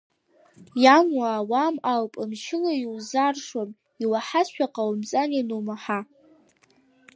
Иамуа ауам ауп, мчыла иузарушам, иуаҳазшәа ҟаумҵан ианумаҳа.